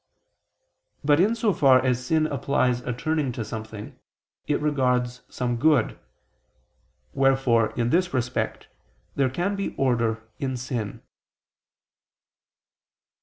But in so far as sin implies a turning to something, it regards some good: wherefore, in this respect, there can be order in sin.